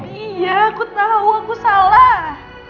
iya aku tahu aku salah